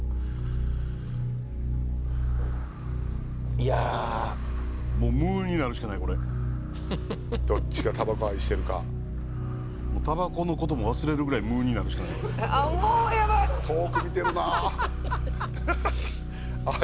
いやもう「無」になるしかないこれどっちがタバコ愛してるかもうタバコのことも忘れるぐらい「無」になるしかないあっもうヤバい遠く見てるなあれ？